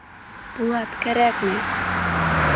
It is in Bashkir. Булат, кәрәкмәй!..